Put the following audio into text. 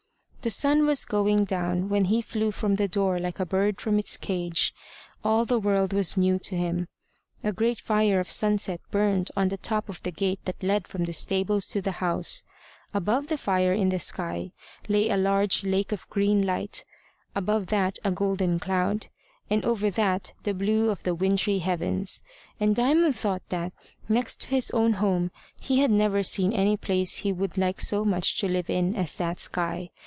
The sun was going down when he flew from the door like a bird from its cage. All the world was new to him. A great fire of sunset burned on the top of the gate that led from the stables to the house; above the fire in the sky lay a large lake of green light, above that a golden cloud, and over that the blue of the wintry heavens. And Diamond thought that, next to his own home, he had never seen any place he would like so much to live in as that sky.